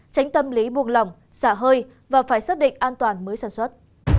tránh tâm lý buông lỏng xả hơi và phải xác định an toàn mới sản xuất